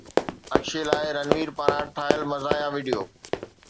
اڪشي لاءِ رنوير پاران ٺاهيل مزاحيه وڊيو